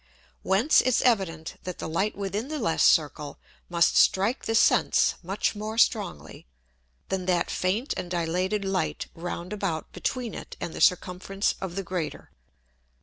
Whence it's evident, that the Light within the less Circle, must strike the Sense much more strongly, than that faint and dilated Light round about between it and the Circumference of the greater.